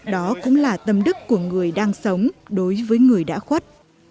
đó cũng là tâm đức của người đang sống đối với người đã khuất